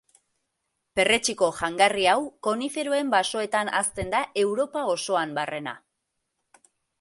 Perretxiko jangarri hau koniferoen basoetan hazten da Europa osoan barrena.